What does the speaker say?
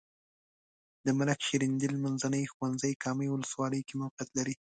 د ملک شیریندل منځنی ښونځی کامې ولسوالۍ کې موقعیت لري.